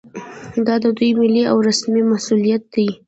دا د دوی ملي او رسمي مسوولیت دی